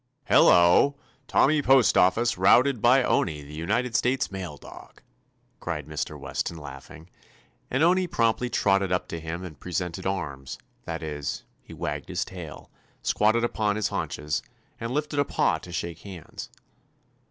"Hello ! Tommy Postoffice routed by Owney, the United States Mail dog!" cried Mr. Weston, laughing, and Owney promptly trotted up to him and "presented arms" ; that is, he wagged his tail, squatted upon his haunches, and lifted a paw to shake hands.